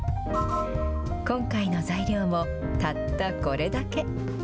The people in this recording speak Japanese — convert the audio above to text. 今回の材料もたったこれだけ。